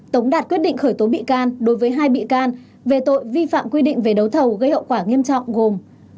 tống đạt quyết định khởi tố bị can đối với hai bị can về tội vi phạm quy định về đấu thầu gây hậu quả nghiêm trọng gồm